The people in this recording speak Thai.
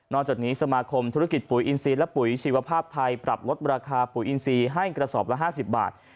จากนี้สมาคมธุรกิจปุ๋ยอินซีและปุ๋ยชีวภาพไทยปรับลดราคาปุ๋ยอินซีให้กระสอบละ๕๐บาท